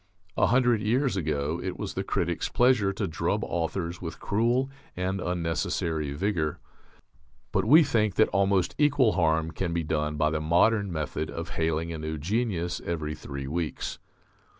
A hundred years ago it was the critic's pleasure to drub authors with cruel and unnecessary vigour. But we think that almost equal harm can be done by the modern method of hailing a new "genius" every three weeks.